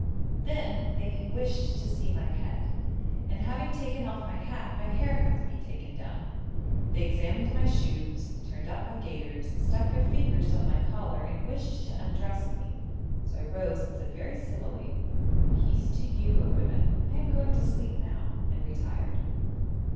Then they wished to see my head, and having taken off my hat, my hair had to be taken down. They examined my shoes, turned up my gaiters, stuck their fingers down my collar, and wished to undress me, so I rose and said very civilly, 'Peace to you, oh women, I am going to sleep now,' and retired.